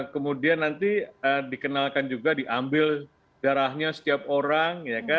kemudian nanti dikenalkan juga diambil darahnya setiap orang